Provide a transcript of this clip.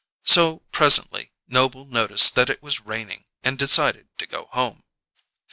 So, presently, Noble noticed that it was raining and decided to go home.